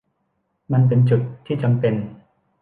มันเป็นจุดที่จำเป็น